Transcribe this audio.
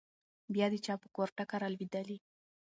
بيا د چا په کور ټکه رالوېدلې؟